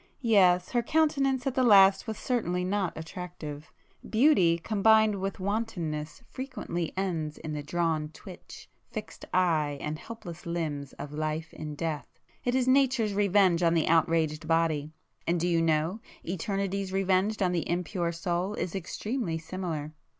Yes,—her countenance at the last was certainly not attractive. Beauty [p 163] combined with wantonness frequently ends in the drawn twitch, fixed eye and helpless limbs of life in death. It is Nature's revenge on the outraged body,—and do you know, Eternity's revenge on the impure Soul is extremely similar?"